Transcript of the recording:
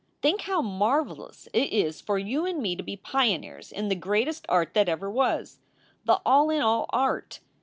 Think how marvelous it is for you and me to be pioneers in the greatest art that ever was, the all in all art.